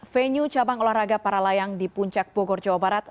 venue cabang olahraga para layang di puncak bogor jawa barat